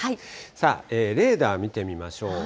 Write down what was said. レーダー見てみましょう。